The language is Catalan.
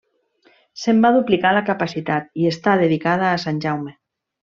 Se'n va duplicar la capacitat i està dedicada a sant Jaume.